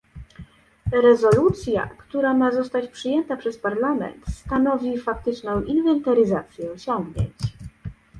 Rezolucja, która ma zostać przyjęta przez Parlament, stanowi faktyczną inwentaryzację osiągnięć